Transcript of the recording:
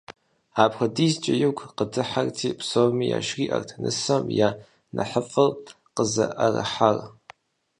АпхуэдизкӀэ игу къыдыхьэрти, псоми яжриӀэрт нысэм я нэхъыфӀыр къызэрыӀэрыхьар.